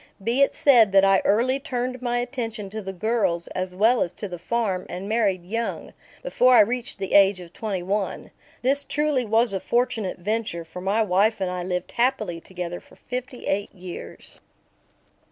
Be it said that I early turned my attention to the girls as well as to the farm and married young, before I reached the age of twenty one. This truly was a fortunate venture, for my wife and I lived happily together for fifty eight years.